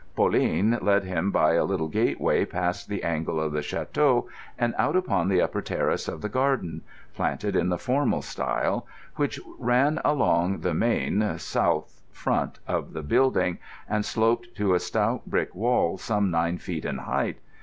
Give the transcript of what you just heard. Pauline led him by a little gateway past the angle of the château and out upon the upper terrace of the garden—planted in the formal style—which ran along the main (south) front of the building and sloped to a stout brick wall some nine feet in height.